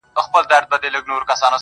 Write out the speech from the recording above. زما خو ټوله زنده گي توره ده